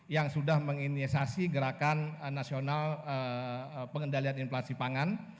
yang sudah menginisiasi gerakan nasional pengendalian inflasi pangan